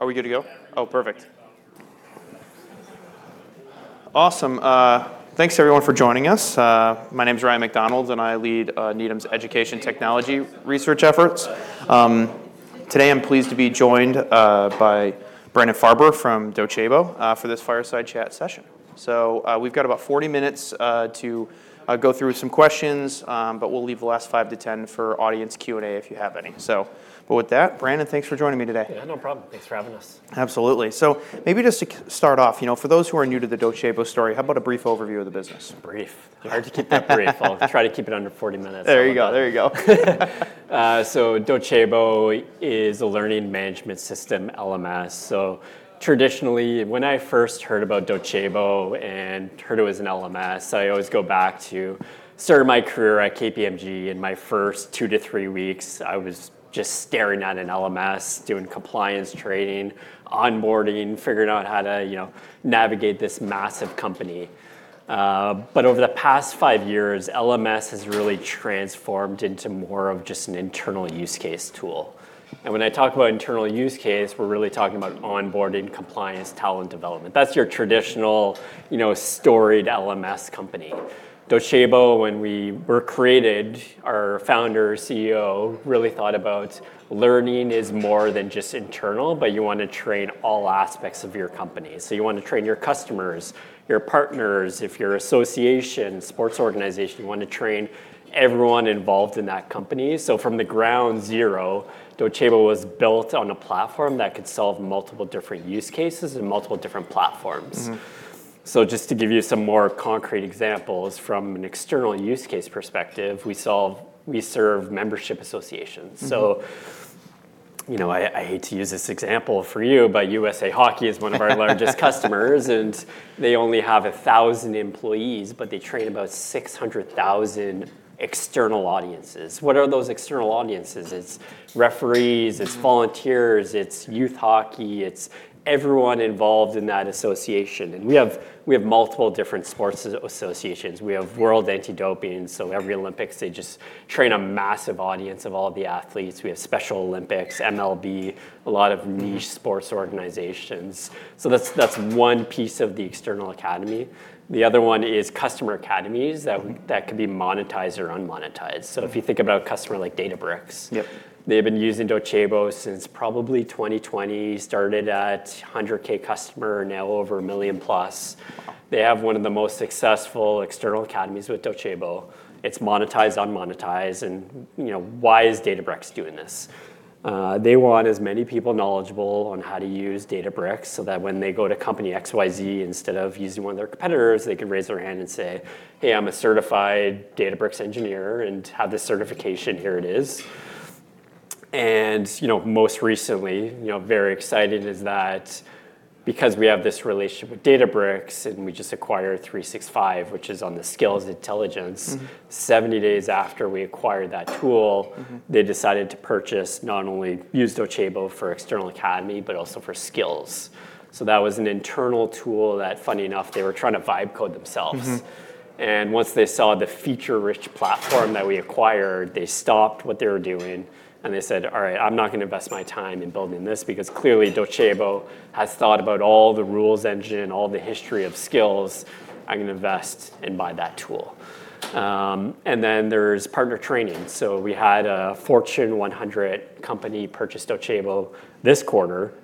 Are we good to go? Oh, perfect. Yeah. Awesome. Thanks everyone for joining us. My name's Ryan MacDonald, and I Lead Needham's Education Technology Research Efforts. Today I'm pleased to be joined by Brandon Farber from Docebo for this fireside chat session. We've got about 40 minutes to go through some questions, but we'll leave the last 5-10 for audience Q&A if you have any. With that, Brandon, thanks for joining me today. Yeah, no problem. Thanks for having us. Absolutely. Maybe just to start off, you know, for those who are new to the Docebo story, how about a brief overview of the business? Brief? Hard to keep that brief. I'll try to keep it under 40 minutes. There you go, there you go. Docebo is a learning management system, LMS. Traditionally, when I first heard about Docebo and heard it was an LMS, I always go back to start of my career at KPMG. In my first 2-3 weeks, I was just staring at an LMS, doing compliance training, onboarding, figuring out how to, you know, navigate this massive company. Over the past five years, LMS has really transformed into more of just an internal use case tool. When I talk about internal use case, we're really talking about onboarding, compliance, talent development. That's your traditional, you know, storied LMS company. Docebo, when we were created, our Founder, CEO really thought about learning is more than just internal, but you want to train all aspects of your company. You want to train your customers, your partners. If you're association, sports organization, you want to train everyone involved in that company. From the ground zero, Docebo was built on a platform that could solve multiple different use cases and multiple different platforms. Just to give you some more concrete examples, from an external use case perspective, we serve membership associations. You know, I hate to use this example for you, but USA Hockey is one of our largest customers. They only have 1,000 employees, but they train about 600,000 external audiences. What are those external audiences? It's referees. It's volunteers, it's youth hockey, it's everyone involved in that association. We have multiple different sports associations. We have World Anti-Doping, so every Olympics they just train a massive audience of all the athletes. We have Special Olympics, MLB, a lot of niche sports organizations. That's one piece of the external academy. The other one is customer academies that could be monetized or unmonetized. If you think about a customer like Databricks. Yep. They've been using Docebo since probably 2020. Started at 100,000 customer, now over 1 million+. They have one of the most successful external academies with Docebo. It's monetized, unmonetized. You know, why is Databricks doing this? They want as many people knowledgeable on how to use Databricks so that when they go to company XYZ, instead of using one of their competitors, they can raise their hand and say, Hey, I'm a certified Databricks engineer, and have this certification. Here it is. You know, most recently, you know, very excited is that because we have this relationship with Databricks and we just acquired 365, which is on the skills intelligence. 70 days after we acquired that tool they decided to purchase, not only use Docebo for external academy, but also for skills. That was an internal tool that, funny enough, they were trying to build code themselves. Once they saw the feature-rich platform that we acquired, they stopped what they were doing and they said, All right. I'm not gonna invest my time in building this because clearly Docebo has thought about all the rules engine, all the history of skills. I'm gonna invest and buy that tool. Then there's partner training. We had a Fortune 100 company purchase Docebo this quarter,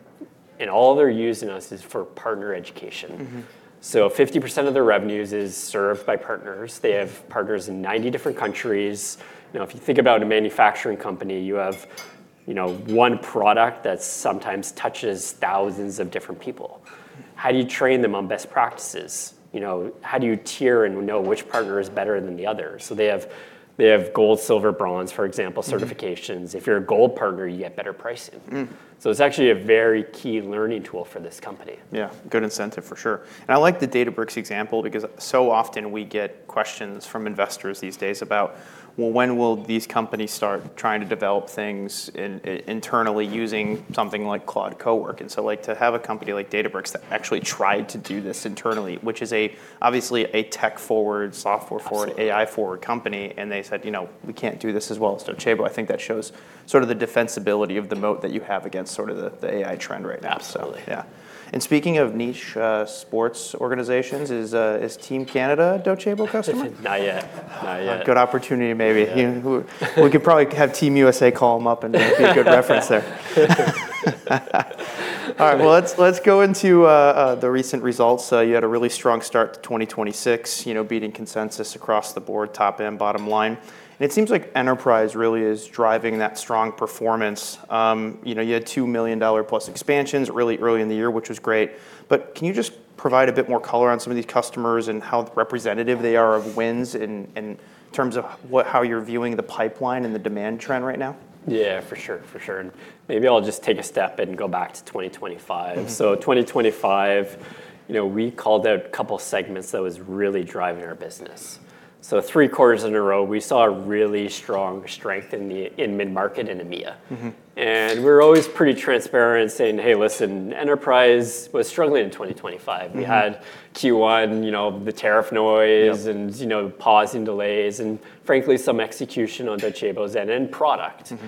and all they're using us is for partner education. 50% of their revenues is served by partners. They have partners in 90 different countries. You know, if you think about a manufacturing company, you have, you know, one product that sometimes touches thousands of different people. How do you train them on best practices? You know, how do you tier and know which partner is better than the other? They have gold, silver, bronze, for example, certifications. If you're a gold partner, you get better pricing. It's actually a very key learning tool for this company. Yeah. Good incentive, for sure. I like the Databricks example because so often we get questions from investors these days about, well, when will these companies start trying to develop things internally using something like Claude Cowork? Like, to have a company like Databricks that actually tried to do this internally, which is obviously a tech-forward. Absolutely AI-forward company, and they said, you know, "We can't do this as well as Docebo, I think that shows sort of the defensibility of the moat that you have against sort of the AI trend right now. Absolutely. Yeah. Speaking of niche sports organizations, is Team Canada a Docebo customer? Not yet. Not yet. A good opportunity maybe. Yeah. We could probably have Team USA call them up and be a good reference there. All right. Well, let's go into the recent results. You had a really strong start to 2026, you know, beating consensus across the board, top and bottom line. It seems like enterprise really is driving that strong performance. You know, you had 2 million dollar plus expansions really early in the year, which was great. Can you just provide a bit more color on some of these customers and how representative they are of wins in terms of how you're viewing the pipeline and the demand trend right now? Yeah, for sure. For sure. Maybe I'll just take a step and go back to 2025. 2025, you know, we called out a couple segments that was really driving our business. Three quarters in a row, we saw a really strong strength in mid-market and EMEA. We're always pretty transparent saying, Hey, listen, enterprise was struggling in 2025. We had Q1, you know, the tariff noise. Yep You know, pause and delays and, frankly, some execution on Docebo's end and product. You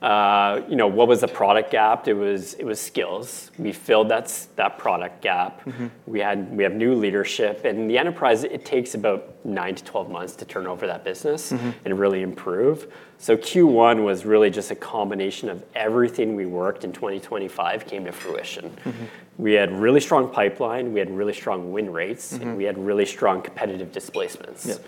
know, what was the product gap? It was skills. We filled that product gap. We have new leadership. The enterprise, it takes about nine to 12 months to turn over that business. Really improve. Q1 was really just a combination of everything we worked in 2025 came to fruition. We had really strong pipeline, we had really strong win rates. We had really strong competitive displacements.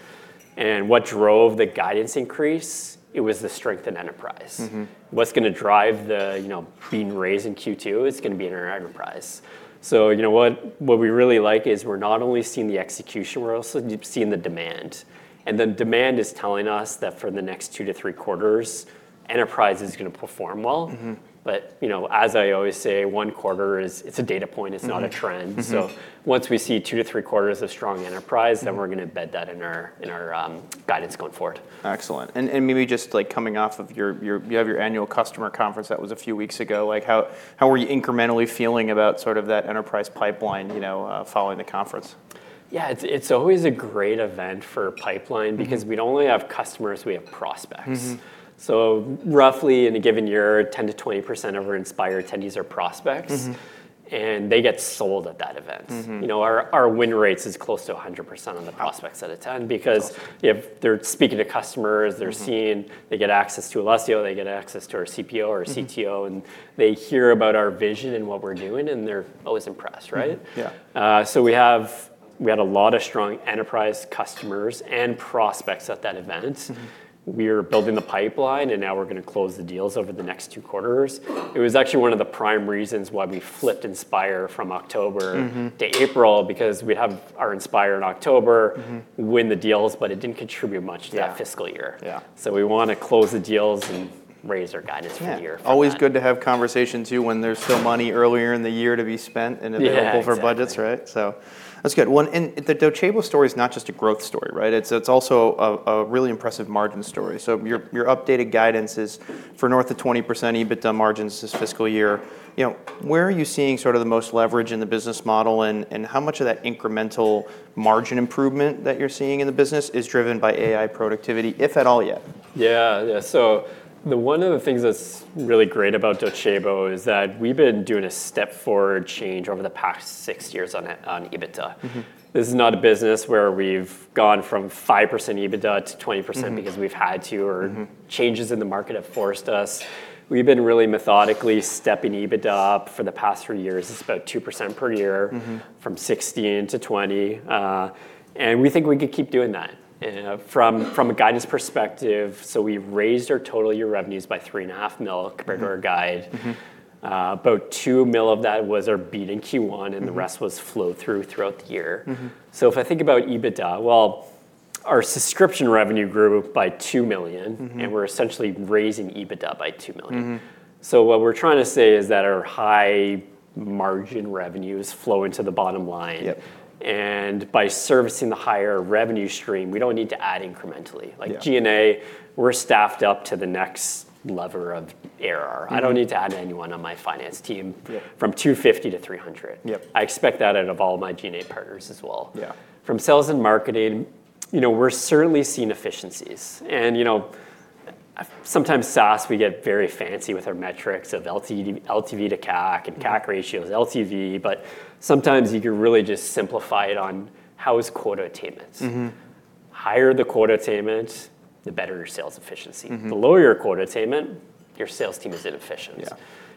Yeah. What drove the guidance increase? It was the strength in enterprise. What's gonna drive the, you know, beating raise in Q2 is gonna be in our enterprise. You know what we really like is we're not only seeing the execution, we're also seeing the demand. The demand is telling us that for the next 2-3 quarters, enterprise is gonna perform well. You know, as I always say, one quarter is a data point it's not a trend once we see 2-3 quarters of strong enterprise we're gonna embed that in our guidance going forward. Excellent. Maybe just coming off of your, you have your Annual Customer Conference that was a few weeks ago, how were you incrementally feeling about sort of that enterprise pipeline, you know, following the conference? Yeah, it's always a great event for pipeline because we'd only have customers, we have prospects. Roughly in a given year, 10%-20% of our Inspire attendees are prospects they get sold at that event. You know, our win rates is close to 100%. Wow that attend because if they're speaking to customer they're seeing, they get access to Alessio, they get access to our CPO or CTO. They hear about our vision and what we're doing, and they're always impressed, right? Yeah. We had a lot of strong enterprise customers and prospects at that event. We are building the pipeline, and now we're gonna close the deals over the next two quarters. It was actually one of the prime reasons why we flipped Inspire from October to April because we have our Inspire in October. We win the deals, but it didn't contribute much to that. Yeah fiscal year. Yeah. We want to close the deals and raise our guidance for the year for that. Yeah. Always good to have conversations, too, when there's still money earlier in the year to be spent and. Yeah, exactly. available for budgets, right? That's good. One, the Docebo story is not just a growth story, right? It's also a really impressive margin story. Your updated guidance is for north of 20% EBITDA margins this fiscal year. You know, where are you seeing sort of the most leverage in the business model, and how much of that incremental margin improvement that you're seeing in the business is driven by AI productivity, if at all yet? Yeah. One of the things that is really great about Docebo is that we have been doing a step forward change over the past six years on EBITDA. This is not a business where we've gone from 5% EBITDA to 20%.we've had to, or- changes in the market have forced us. We've been really methodically stepping EBITDA up for the past three years. It's about 2% per year. From 16%-20%. We think we could keep doing that from a guidance perspective. We've raised our total year revenues by 3.5 million Compared to our guide. About 2 million of that was our beat in Q1, and the rest was flow through throughout the year. If I think about EBITDA, well, our subscription revenue grew by 2 million. We're essentially raising EBITDA by 2 million. What we're trying to say is that our high margin revenues flow into the bottom line. Yeah. By servicing the higher revenue stream, we don't need to add incrementally. Yeah. Like G&A, we're staffed up to the next level of effort. I don't need to add anyone on my finance team. Yeah from 250-300. Yep. I expect that out of all my G&A partners as well. Yeah. From sales and marketing, you know, we're certainly seeing efficiencies. you know, sometimes SaaS, we get very fancy with our metrics of LTV to CAC, and CAC ratios, LTV, but sometimes you can really just simplify it on how is quota attainment. Higher the quota attainment, the better your sales efficiency. The lower your quota attainment, your sales team is inefficient. Yeah.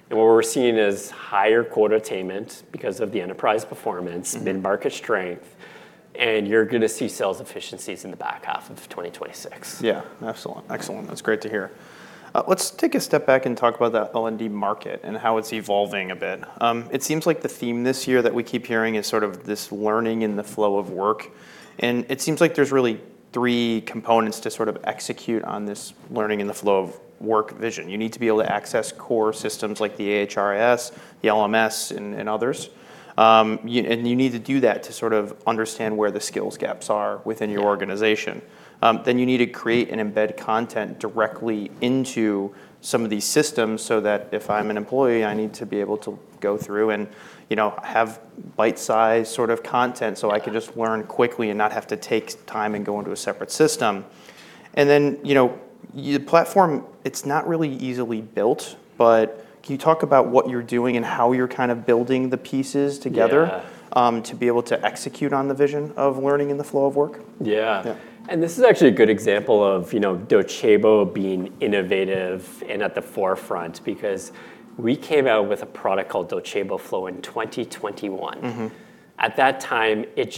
What we're seeing is higher quota attainment because of the enterprise performance. Market strength, and you're going to see sales efficiencies in the back half of 2026. Yeah. Excellent. Excellent. That's great to hear. Let's take a step back and talk about the L&D market and how it's evolving a bit. It seems like the theme this year that we keep hearing is sort of this learning in the flow of work, and it seems like there's really three components to sort of execute on this learning in the flow of work vision. You need to be able to access core systems like the HRIS, the LMS, and others. You need to do that to sort of understand where the skills gaps are within your organization. Yeah. You need to create and embed content directly into some of these systems so that if I'm an employee, I need to be able to go through and, you know, have bite size sort of content so I can just learn quickly and not have to take time and go into a separate system. You know, your platform, it's not really easily built, but can you talk about what you're doing and how you're kind of building the pieces together? Yeah to be able to execute on the vision of learning in the flow of work? Yeah. Yeah. This is actually a good example of, you know, Docebo being innovative and at the forefront because we came out with a product called Docebo Flow in 2021. At that time, it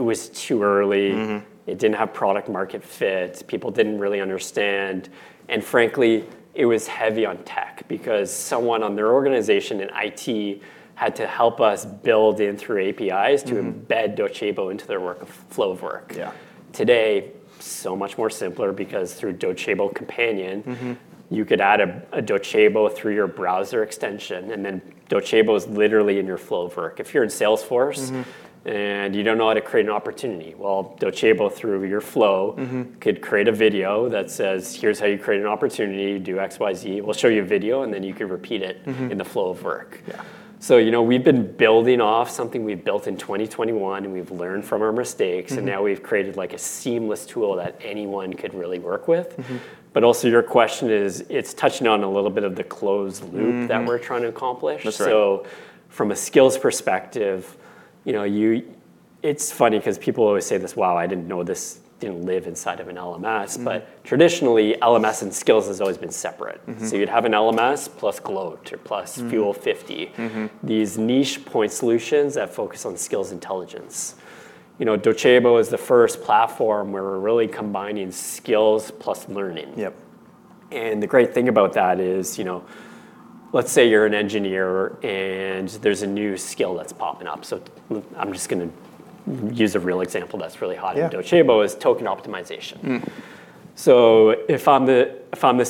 was too early it didn't have product market fit. People didn't really understand, and frankly, it was heavy on tech because someone on their organization in IT had to help us build in through APIs to embed Docebo into their work, flow of work. Yeah. Today, so much more simpler because through Docebo Companion you could add a Docebo through your browser extension, and then Docebo is literally in your flow of work. If you're in Salesforce you don't know how to create an opportunity, well, Docebo, through your flow could create a video that says, "Here's how you create an opportunity. Do X, Y, Z." We'll show you a video, and then you can repeat it in the flow of work. Yeah. You know, we've been building off something we built in 2021, and we've learned from our mistakes. Now we've created, like, a seamless tool that anyone could really work with. Also, your question is, it's touching on a little bit of the closed loop that we're trying to accomplish. That is right. From a skills perspective, you know, It's funny ’cause people always say this, Wow, I didn't know this, you know, live inside of an LMS. Traditionally, LMS and skills has always been separate. You'd have an LMS plus Gloat or plus Fuel50. These niche point solutions that focus on skills intelligence. You know, Docebo is the first platform where we're really combining skills plus learning. Yep. The great thing about that is, you know, let's say you're an engineer and there's a new skill that's popping up. I'm just gonna use a real example that's really hot. Yeah in Docebo is token optimization. If I'm the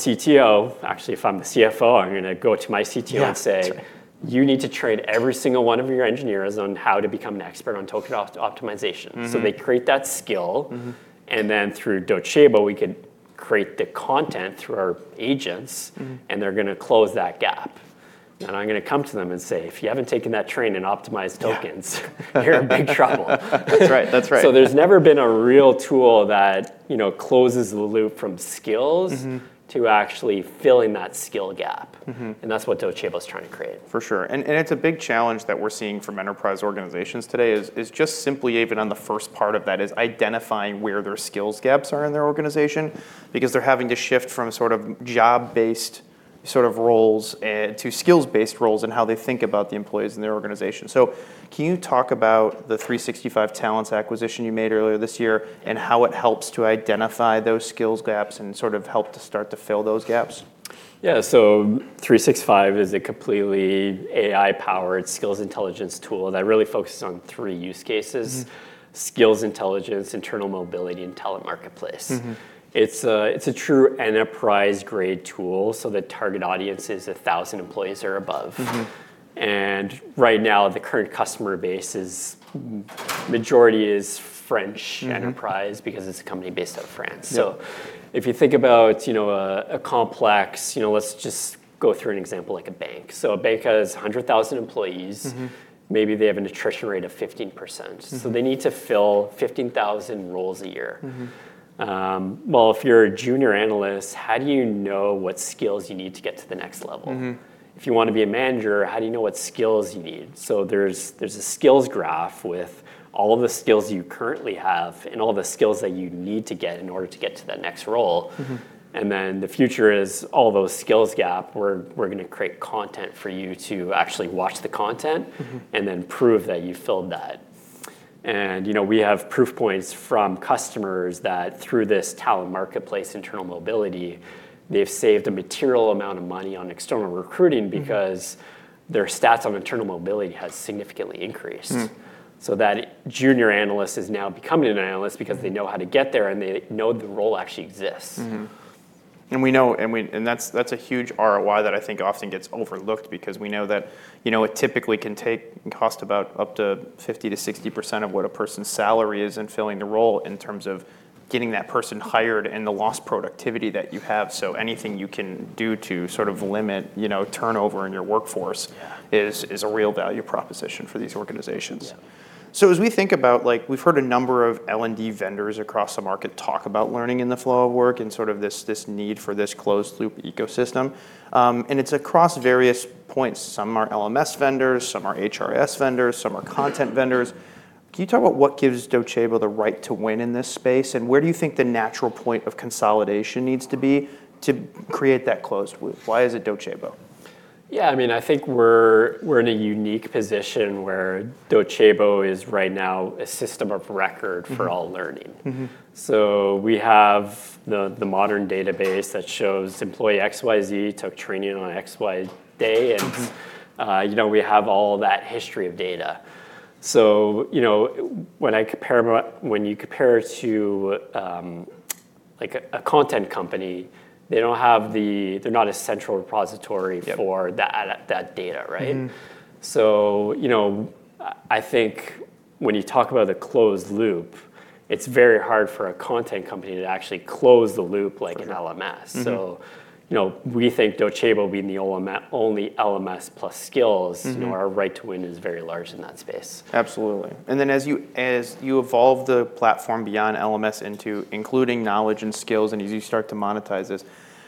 CTO, actually if I'm the CFO, I'm gonna go to my CTO. Yeah Say, You need to train every single one of your engineers on how to become an expert on token optimization. They create that skill, and through Docebo we could create the content through our agents. They're gonna close that gap. I'm gonna come to them and say, "If you haven't taken that training in optimized tokens. Yeah. you're in big trouble. That's right. That's right. There's never been a real tool that, you know, closes the loop from skills to actually filling that skill gap. That's what Docebo's trying to create. For sure. It's a big challenge that we're seeing from enterprise organizations today, is just simply even on the first part of that, is identifying where their skills gaps are in their organization because they're having to shift from sort of job-based sort of roles to skills-based roles in how they think about the employees in their organization. Can you talk about the 365Talents acquisition you made earlier this year and how it helps to identify those skills gaps and sort of help to start to fill those gaps? Yeah. 365Talents is a completely AI-powered skills intelligence tool that really focuses on three use cases. Skills intelligence, internal mobility, and talent marketplace. It's a true enterprise grade tool, so the target audience is 1,000 employees or above. Right now the current customer base is majority is French enterprise because it's a company based out of France. Yeah. If you think about, you know, a complex, you know, let's just go through an example like a bank. A bank has 100,000 employees. Maybe they have an attrition rate of 15%. They need to fill 15,000 roles a year. Well, if you're a Junior Analyst, how do you know what skills you need to get to the next level? If you want to be a Manager, how do you know what skills you need? There's a skills graph with all of the skills you currently have and all the skills that you need to get in order to get to that next role. The future is all those skills gap, we're gonna create content for you to actually watch the content Then prove that you filled that. You know, we have proof points from customers that through this talent marketplace internal mobility, they've saved a material amount of money on external recruiting. Because their stats on internal mobility has significantly increased so that Junior Analyst is now becoming an Analyst because they know how to get there and they know the role actually exists. We know that's a huge ROI that I think often gets overlooked because we know that, you know, it typically can take and cost about up to 50%-60% of what a person's salary is in filling the role in terms of getting that person hired and the lost productivity that you have. Anything you can do to sort of limit, you know, turnover in your workforce. Yeah Is a real value proposition for these organizations. Yeah. As we think about, we've heard a number of L&D vendors across the market talk about learning in the flow of work and sort of this need for this closed loop ecosystem. It's across various points. Some are LMS vendors, some are HRS vendors, some are content vendors. Can you talk about what gives Docebo the right to win in this space, and where do you think the natural point of consolidation needs to be to create that closed loop? Why is it Docebo? Yeah, I mean, I think we're in a unique position where Docebo is right now a system of record for all learning. Mm-hmm. We have the modern database that shows employee XYZ took training on XY day. You know, we have all that history of data. You know, when you compare to, like a content company, they don't have the, they're not a central repository. Yeah for that data, right? You know, I think when you talk about a closed loop, it's very hard for a content company to actually close the loop like an LMS. you know, we think Docebo being the only LMS plus skills you know, our right to win is very large in that space. Absolutely. As you evolve the platform beyond LMS into including knowledge and skills, and as you start to monetize this,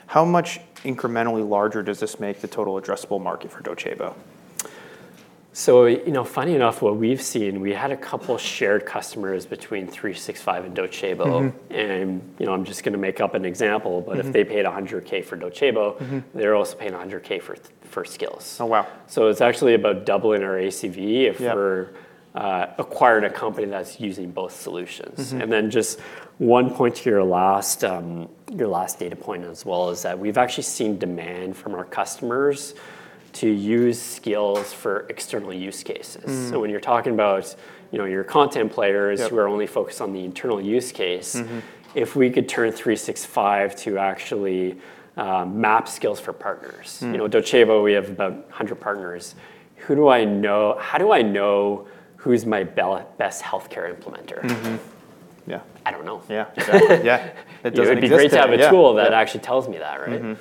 how much incrementally larger does this make the total addressable market for Docebo? You know, funny enough, what we've seen, we had a couple shared customers between 365 and Docebo. You know, I'm just gonna make up an example. If they paid 100,000 for Docebo they're also paying 100,000 for skills. Oh, wow. It's actually about doubling our ACV. Yeah if we're acquired a company that's using both solutions. Just one point to your last, your last data point as well, is that we've actually seen demand from our customers to use skills for external use cases. When you're talking about, you know, your content players. Yep who are only focused on the internal use case. If we could turn 365 to actually map skills for partners. You know, Docebo, we have about 100 partners. How do I know who's my best healthcare implementer? Mm-hmm. Yeah. I don't know. Yeah, exactly. Yeah. It doesn't exist yet. Yeah. It would be great to have a tool that actually tells me that, right?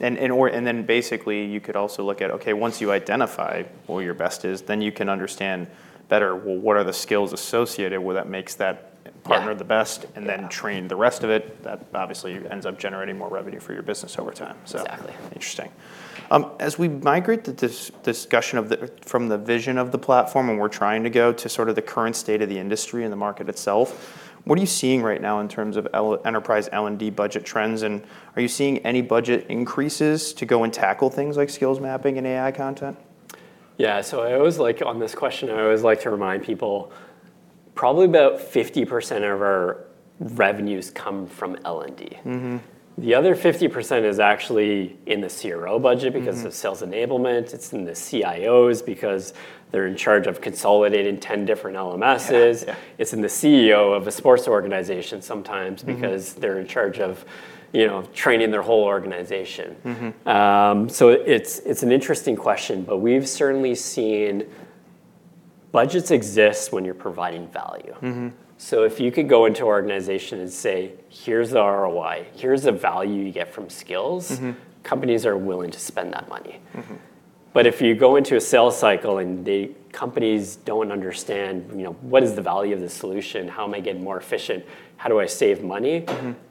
Or, then basically you could also look at, okay, once you identify who your best is, then you can understand better well, what are the skills associated with that makes that partner- Yeah the best, and then train the rest of it. That obviously ends up generating more revenue for your business over time. Exactly. Interesting. As we migrate this discussion of the, from the vision of the platform and where trying to go to sort of the current state of the industry and the market itself, what are you seeing right now in terms of enterprise L&D budget trends, and are you seeing any budget increases to go and tackle things like skills mapping and AI content? Yeah. I always like, on this question, I always like to remind people. Probably about 50% of our revenues come from L&D. The other 50% is actually in the CRO budget because of sales enablement. It's in the CIOs because they're in charge of consolidating 10 different LMSs. Yeah, yeah. It's in the CEO of a sports organization sometime because they're in charge of, you know, training their whole organization. It's an interesting question, but we've certainly seen budgets exist when you're providing value. If you could go into our organization and say, Here's the ROI. Here's the value you get from skills companies are willing to spend that money. If you go into a sales cycle and the companies don't understand, you know, what is the value of this solution? How am I getting more efficient? How do I save money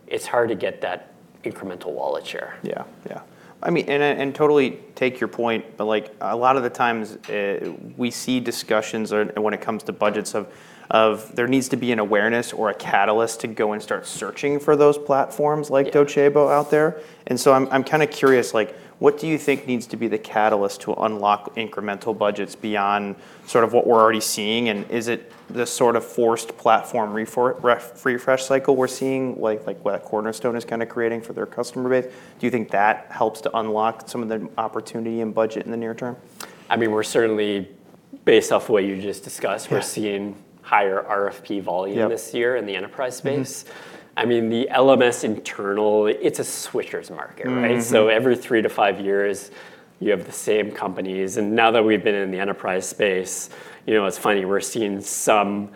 It's hard to get that incremental wallet share. Yeah, yeah. I mean, and I totally take your point but, like, a lot of the times, we see discussions or when it comes to budgets, there needs to be an awareness or a catalyst to go and start searching for those platforms. Yeah like Docebo out there. I'm kind of curious, like, what do you think needs to be the catalyst to unlock incremental budgets beyond sort of what we're already seeing, and is it the sort of forced platform refresh cycle we're seeing, like what Cornerstone is kind of creating for their customer base? Do you think that helps to unlock some of the opportunity and budget in the near term? I mean, we're certainly, based off what you just discussed. Yeah We're seeing higher RFP volume. Yep this year in the enterprise space. I mean, the LMS internal, it's a switchers market, right? Every 3-5 years you have the same companies. Now that we've been in the enterprise space, you know, it's funny. We're seeing some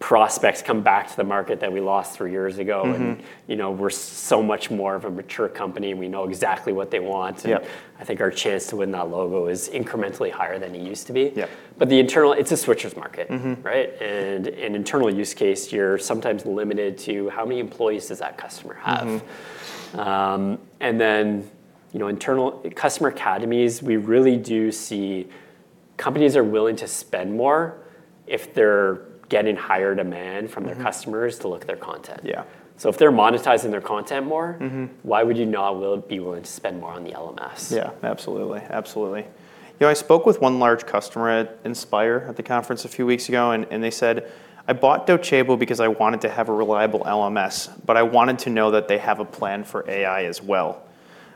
prospects come back to the market that we lost three years ago. You know, we're so much more of a mature company and we know exactly what they want. Yep. I think our chance to win that logo is incrementally higher than it used to be. Yeah. It's a switchers market. Right. An internal use case, you're sometimes limited to how many employees does that customer have? Then, you know, internal customer academies, we really do see companies are willing to spend more if they're getting higher demand from their customers to look at their content. Yeah. If they're monetizing their content more. Why would you not be willing to spend more on the LMS? Yeah, absolutely. Absolutely. You know, I spoke with one large customer at Inspire, at the conference a few weeks ago, and they said, I bought Docebo because I wanted to have a reliable LMS, but I wanted to know that they have a plan for AI as well.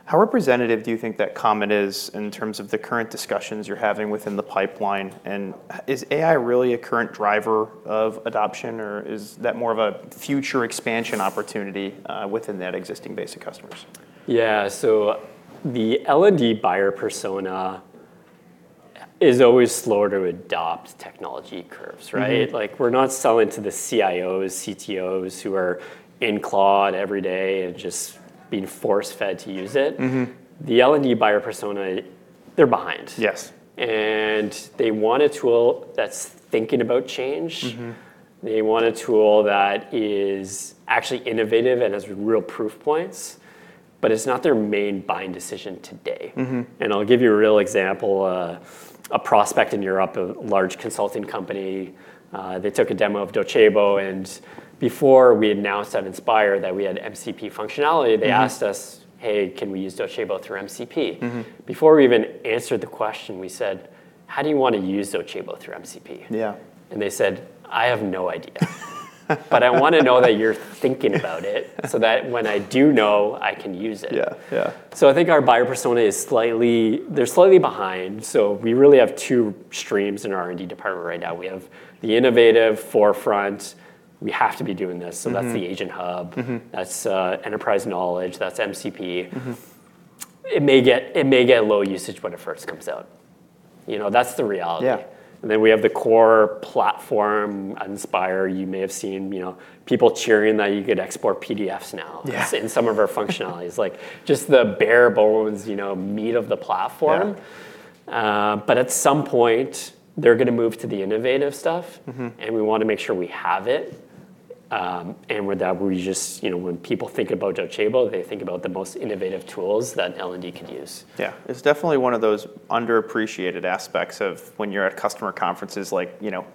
How representative do you think that comment is in terms of the current discussions you're having within the pipeline, and is AI really a current driver of adoption, or is that more of a future expansion opportunity within that existing base of customers? Yeah. The L&D buyer persona is always slower to adopt technology curves, right? Like, we're not selling to the CIOs, CTOs who are in Claude every day and just being force-fed to use it. The L&D buyer persona, they're behind. Yes. They want a tool that's thinking about change. They want a tool that is actually innovative and has real proof points, but it's not their main buying decision today. I'll give you a real example. A prospect in Europe, a large consulting company, they took a demo of Docebo and before we announced at Inspire that we had MCP functionality, they asked us, Hey, can we use Docebo through MCP? Before we even answered the question, we said, How do you want to use Docebo through MCP? Yeah. They said, I have no idea. I want to know that you're thinking about it so that when I do know, I can use it. Yeah, yeah. I think our buyer persona is slightly behind. We really have two streams in our R&D department right now. We have the innovative forefront, we have to be doing this that's the AgentHub. That's, Enterprise Knowledge. That's MCP it may get low usage when it first comes out. You know, that's the reality. Yeah. We have the core platform Inspire. You may have seen, you know, people cheering that you could export PDFs now. Yeah In some of our functionalities, like, just the bare bones, you know, meat of the platform. Yeah. At some point they're gonna move to the innovative stuff. We want to make sure we have it. With that we just, you know, when people think about Docebo, they think about the most innovative tools that L&D could use. Yeah. It's definitely one of those underappreciated aspects of when you're at customer conferences, like, you know,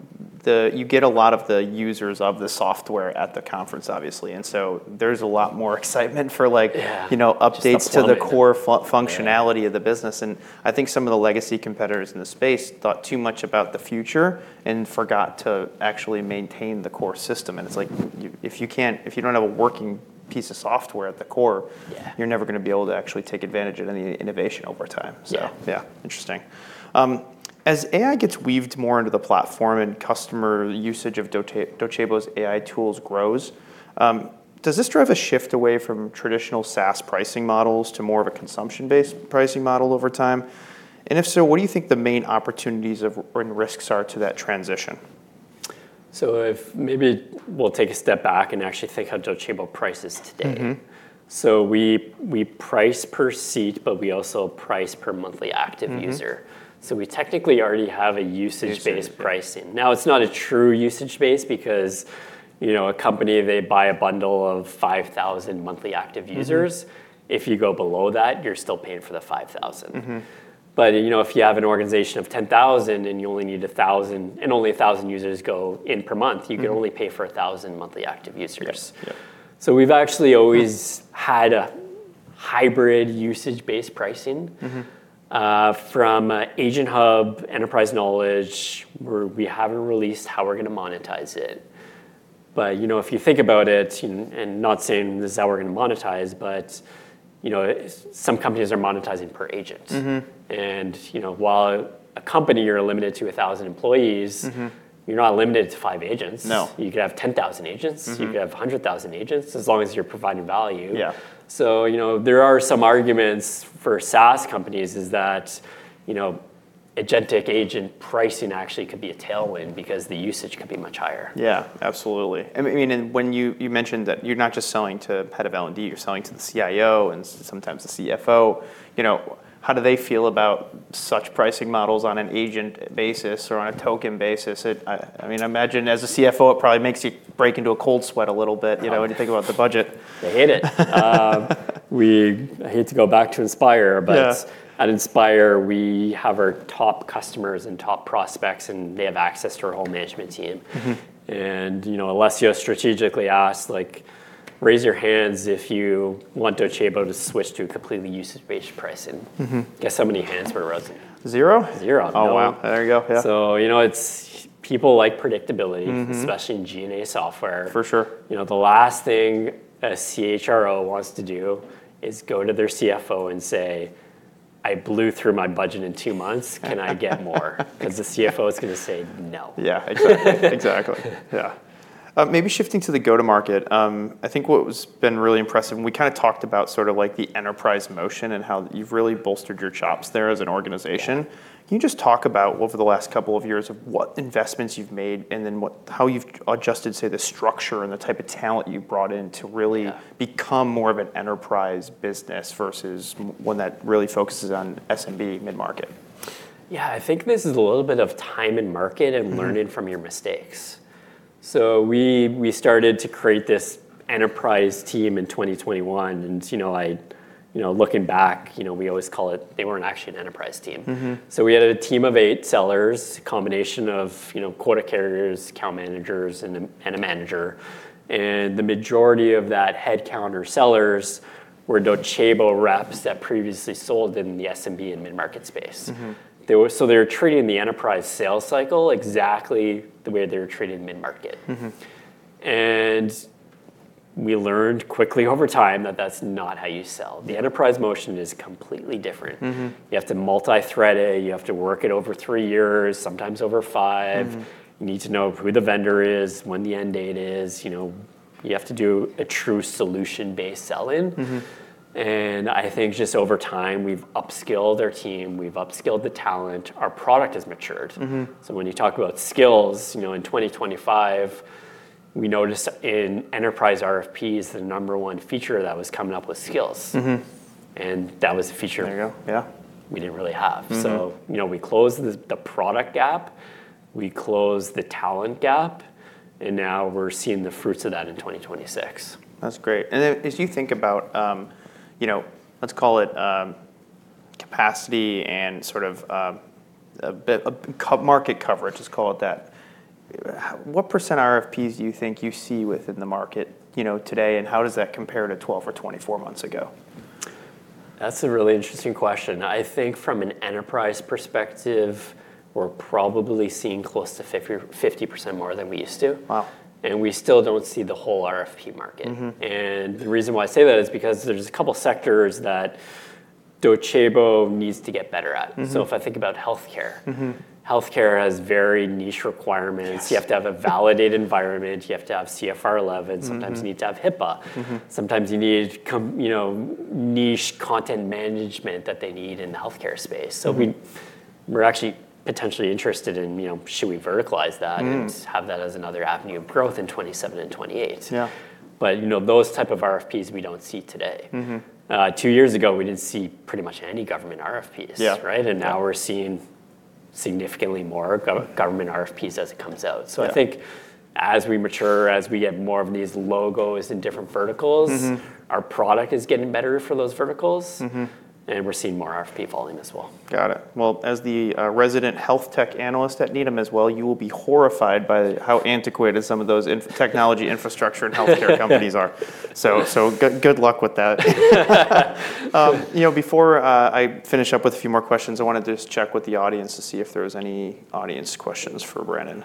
you get a lot of the users of the software at the conference obviously, and so there's a lot more excitement for like Yeah you know. Just the plumbing. to the core functionality. Yeah of the business. I think some of the legacy competitors in the space thought too much about the future and forgot to actually maintain the core system. It's like if you can't, if you don't have a working piece of software at the core. Yeah you're never gonna be able to actually take advantage of any innovation over time. Yeah Yeah. Interesting. As AI gets weaved more into the platform and customer usage of Docebo's AI tools grows, does this drive a shift away from traditional SaaS pricing models to more of a consumption-based pricing model over time? If so, what do you think the main opportunities of, or risks are to that transition? If maybe we'll take a step back and actually think how Docebo prices today. We price per seat, but we also price per monthly active user. We technically already have a usage-based pricing. Usage-based. It's not a true usage base because, you know, a company, they buy a bundle of 5,000 monthly active users. If you go below that, you're still paying for the 5,000. You know, if you have an organization of 10,000 and you only need 1,000, and only 1,000 users go in per month you can only pay for 1,000 monthly active users. Yep, yep. We've actually always had hybrid usage-based pricing from Docebo AgentHub, Docebo Enterprise Knowledge. We haven't released how we're gonna monetize it. You know, if you think about it, and not saying this is how we're gonna monetize, but, you know, some companies are monetizing per agent. You know, while a company, you're limited to 1,000 employees you're not limited to five agents. No. You could have 10,000 agents. You could have 100,000 agents, as long as you're providing value. Yeah. You know, there are some arguments for SaaS companies is that, you know, agentic agent pricing actually could be a tailwind because the usage could be much higher. Yeah, absolutely. I mean, when you mentioned that you're not just selling to head of L&D, you're selling to the CIO and sometimes the CFO. You know, how do they feel about such pricing models on an agent basis or on a token basis? I mean, I imagine as a CFO it probably makes you break into a cold sweat a little bit. Oh you know, when you think about the budget. They hate it. I hate to go back to Docebo Inspire. Yeah at Inspire we have our top customers and top prospects, and they have access to our whole management team. You know, Alessio strategically asked, like, Raise your hands if you want Docebo to switch to a completely usage-based pricing. Guess how many hands were raised? Zero? Zero. None. Oh, wow. There you go. Yeah. You know, it's people like predictability especially in G&A software. For sure. You know, the last thing a CHRO wants to do is go to their CFO and say, I blew through my budget in two months. Can I get more? 'Cause the CFO is gonna say, No. Yeah, exactly. Exactly, yeah. Maybe shifting to the go-to-market. I think what has been really impressive, and we kinda talked about sort of like the enterprise motion and how you've really bolstered your chops there as an organization. Yeah. Can you just talk about over the last couple of years of what investments you've made, and then how you've adjusted, say, the structure and the type of talent you've brought in to really- Yeah become more of an enterprise business versus one that really focuses on SMB mid-market? Yeah, I think this is a little bit of time in market and learning from your mistakes. We started to create this enterprise team in 2021 and, you know, looking back, you know, we always call it they weren't actually an enterprise team. We had a team of eight sellers, a combination of, you know, quota carriers, account managers, and a manager. The majority of that headcount sellers were Docebo reps that previously sold in the SMB and mid-market space. They were treating the enterprise sales cycle exactly the way they were treating mid-market. We learned quickly over time that that's not how you sell. The enterprise motion is completely different, you have to multi-thread it. You have to work it over three years, sometimes over five. You need to know who the vendor is, when the end date is. You know, you have to do a true solution-based sell-in. I think just over time we've upskilled our team. We've upskilled the talent. Our product has matured. When you talk about skills, you know, in 2025, we noticed in enterprise RFPs the number one feature that was coming up was skills. That was a feature- There you go. Yeah we didn't really have. You know, we closed the product gap. We closed the talent gap. Now we're seeing the fruits of that in 2026. That's great. If you think about, you know, let's call it capacity and sort of a bit, a market coverage, let's call it that. What % RFPs do you think you see within the market, you know, today, and how does that compare to 12 or 24 months ago? That's a really interesting question. I think from an enterprise perspective, we're probably seeing close to 50% more than we used to. Wow. We still don't see the whole RFP market. The reason why I say that is because there's a couple sectors that Docebo needs to get better at. If I think about healthcare. Healthcare has very niche requirements. Yes. You have to have a validated environment. You have to have CFR 11. Sometimes you need to have HIPAA. Sometimes you need you know, niche content management that they need in the healthcare space. We're actually potentially interested in, you know, should we verticalize that have that as another avenue of growth in 2027 and 2028? Yeah. You know, those type of RFPs we don't see today. Two years ago we didn't see pretty much any government RFPs. Yeah. Right? Now we're seeing significantly more government RFPs as it comes out. Yeah. I think as we mature, as we get more of these logos in different verticals. Our product is getting better for those verticals. We're seeing more RFP volume as well. Got it. Well, as the resident Health Tech Analyst at Needham as well, you will be horrified by how antiquated some of those technology infrastructure and healthcare companies are. Good luck with that. You know, before I finish up with a few more questions, I want to just check with the audience to see if there was any audience questions for Brandon.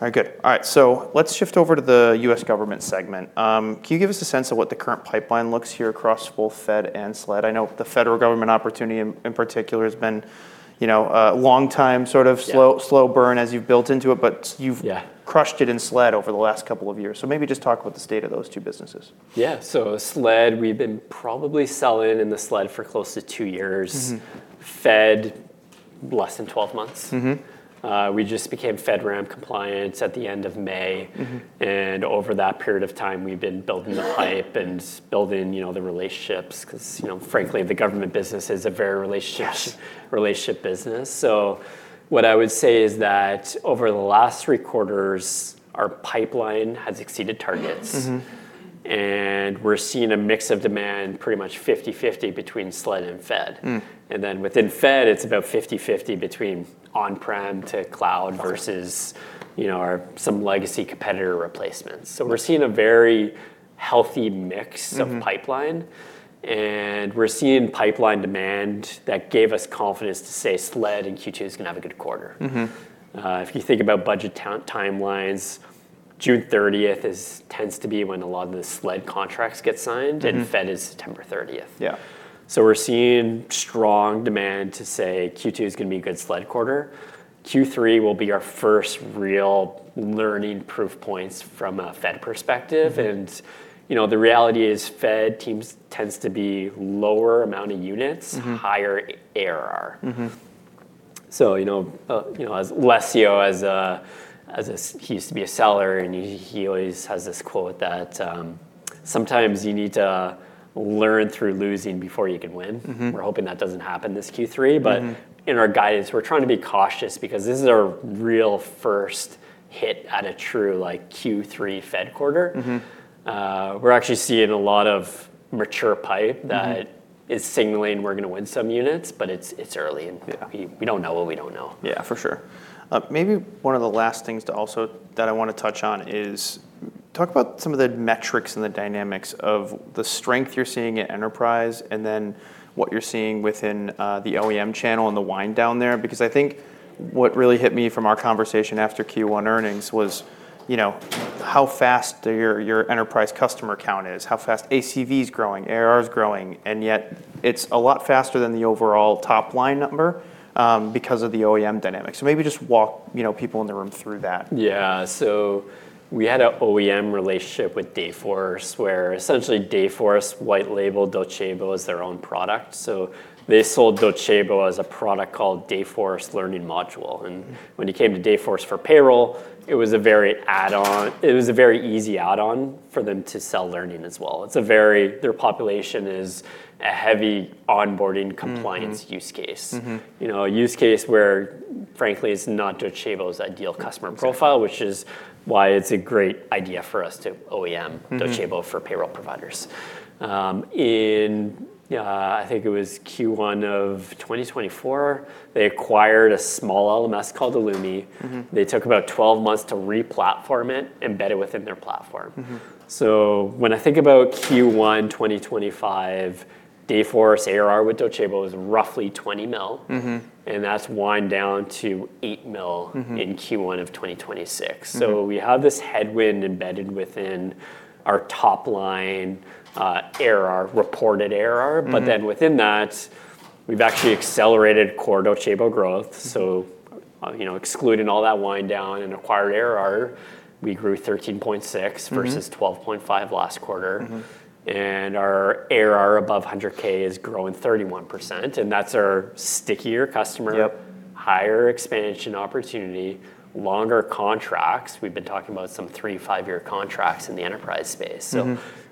All right, good. All right. Let's shift over to the U.S. government segment. Can you give us a sense of what the current pipeline looks here across both Fed and SLED? I know the federal government opportunity in particular has been, you know, a long time sort of. Yeah slow burn as you've built into it, but you've-. Yeah crushed it in SLED over the last couple of years. Maybe just talk about the state of those two businesses. Yeah. SLED, we've been probably selling in the SLED for close to two years. Fed, less than 12 months we just became FedRAMP compliant at the end of May. Over that period of time we've been building the pipe and building, you know, the relationships. You know, frankly, the government business is a very relationship- Yes relationship business. What I would say is that over the last three quarters, our pipeline has exceeded targets. We're seeing a mix of demand pretty much 50/50 between SLED and Fed. Within Fed it's about 50/50 between on-prem to cloud versus. Okay you know, our, some legacy competitor replacements. Yeah. We're seeing a very healthy mix of pipeline. We're seeing pipeline demand that gave us confidence to say SLED in Q2 is gonna have a good quarter. If you think about budget timelines, June 30th is, tends to be when a lot of the SLED contracts get .signed Fed is September 30th. Yeah. We're seeing strong demand to say Q2 is going to be a good SLED quarter. Q3 will be our first real learning proof points from a Fed perspective. You know, the reality is Fed teams tends to be lower amount of units higher ARR. You know, you know, as Alessio as a he used to be a seller, and he always has this quote that, Sometimes you need to learn through losing before you can win. We're hoping that doesn't happen this Q3. In our guidance, we're trying to be cautious because this is our real first hit at a true, like, Q3 Fed quarter. We're actually seeing a lot of mature that is signaling we're gonna win some units, but it's early. Yeah we don't know what we don't know. Yeah, for sure. Maybe one of the last things to also, that I want to touch on is talk about some of the metrics and the dynamics of the strength you're seeing at enterprise, and then what you're seeing within the OEM channel and the wind down there, because I think what really hit me from our conversation after Q1 earnings was, you know, how fast your enterprise customer count is, how fast ACV is growing, ARR is growing, and yet it's a lot faster than the overall top line number because of the OEM dynamic. Maybe just walk, you know, people in the room through that. Yeah. We had a OEM relationship with Dayforce, where essentially Dayforce white labeled Docebo as their own product. They sold Docebo as a product called Dayforce Learning Module. When you came to Dayforce for payroll, it was a very add-on, it was a very easy add-on for them to sell learning as well. Their population is a heavy onboarding compliance use case. You know, a use case where frankly, it's not Docebo's ideal customer profile. Yeah which is why it's a great idea for us to OEM. Docebo for payroll providers. I think it was Q1 of 2024, they acquired a small LMS called Ellomi. They took about 12 months to re-platform it, embed it within their platform. When I think about Q1 2025, Dayforce ARR with Docebo is roughly $20 million. That's wind down to $8 million in Q1 of 2026. We have this headwind embedded within our top line, ARR, reported ARR. Within that, we've actually accelerated core Docebo growth, you know, excluding all that wind down and acquired ARR, we grew 13.6 million versus 12.5 million last quarter. Our ARR above 100,000 is growing 31%, and that's our stickier customer. Yep higher expansion opportunity, longer contracts. We've been talking about some 3, 5-year contracts in the enterprise space.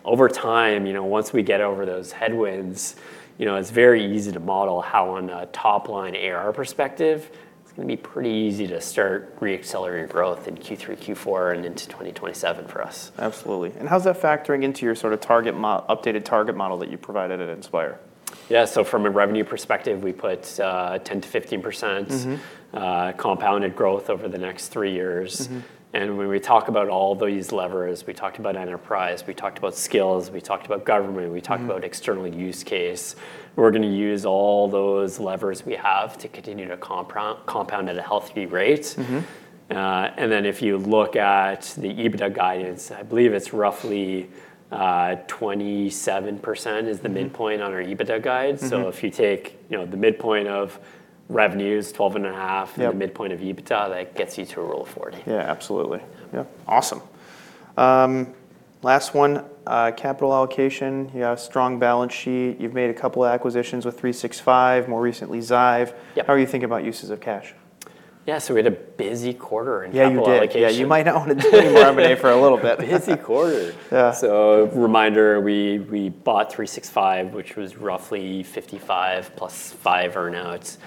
Over time, you know, once we get over those headwinds, you know, it's very easy to model how on a top line ARR perspective, it's gonna be pretty easy to start re-accelerating growth in Q3, Q4 and into 2027 for us. Absolutely. How's that factoring into your sort of target updated target model that you provided at Inspire? Yeah. From a revenue perspective, we put, 10%-15% compounded growth over the next three years. When we talk about all these levers, we talked about enterprise, we talked about skills, we talked about government we talked about external use case. We're gonna use all those levers we have to continue to compound at a healthy rate. If you look at the EBITDA guidance, I believe it's roughly 27% is the midpoint on our EBITDA guide. If you take, you know, the midpoint of revenues, 12.5 million. Yep The midpoint of EBITDA, that gets you to a Rule of 40. Yeah, absolutely. Yep. Awesome. Last one, capital allocation. You have strong balance sheet. You've made a couple acquisitions with 365, more recently Zive. Yep. How are you thinking about uses of cash? Yeah, we had a busy quarter in capital allocation. Yeah, you did. You might not want to do more M&A for a little bit. Busy quarter. Yeah. Reminder, we bought 365, which was roughly 55 million +5 earn-outs.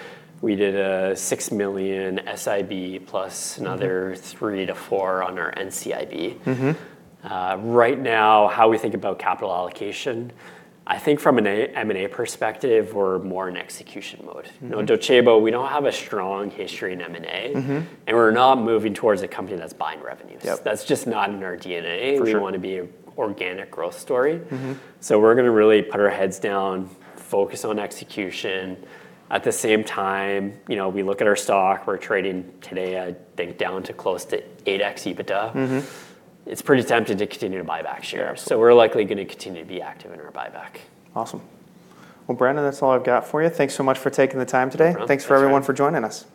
We did a 6 million SIB plus another 3 million-4 million on our NCIB. Right now, how we think about capital allocation, I think from an M&A perspective, we're more in execution mode. You know, Docebo, we don't have a strong history in M&A. We're not moving towards a company that's buying revenues. Yep. That's just not in our DNA. For sure. We want to be organic growth story. We're gonna really put our heads down, focus on execution. At the same time, you know, we look at our stock, we're trading today, I think, down to close to 8x EBITDA. It's pretty tempting to continue to buy back shares. Yeah. We're likely gonna continue to be active in our buyback. Awesome. Well, Brandon, that's all I've got for you. Thanks so much for taking the time today. No problem. Thanks for having me. Thanks for everyone for joining us. Thank you.